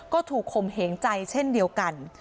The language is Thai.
ก็ถูกข่มเหงใจเช่นเดียวกัน